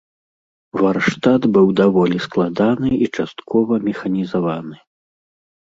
Варштат быў даволі складаны і часткова механізаваны.